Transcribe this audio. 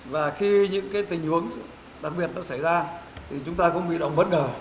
và khi những tình huống đặc biệt nó xảy ra thì chúng ta cũng bị động bất ngờ